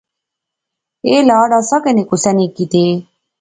ایہہ لاڈ اساں کنے کسا نی کتے